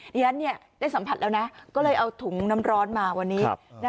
ดิฉันได้สัมผัสแล้วนะก็เลยเอาถุงน้ำร้อนมาวันนี้